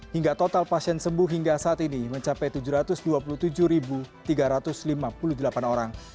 hingga total pasien sembuh hingga saat ini mencapai tujuh ratus dua puluh tujuh tiga ratus lima puluh delapan orang